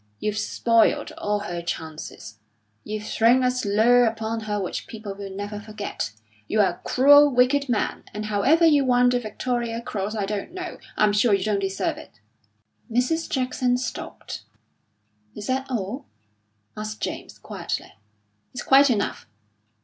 You've spoilt all her chances. You've thrown a slur upon her which people will never forget. You're a cruel, wicked man, and however you won the Victoria Cross I don't know; I'm sure you don't deserve it." Mrs. Jackson stopped. "Is that all?" asked James, quietly. "It's quite enough."